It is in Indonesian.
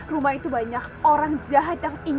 rumah itu banyak orang jahat yang ingin bikin aku balik